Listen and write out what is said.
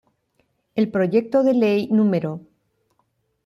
El Proyecto de Ley No.